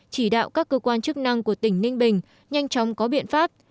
chỉ đạo các cơ quan chức năng của tỉnh ninh bình nhanh chóng có biện pháp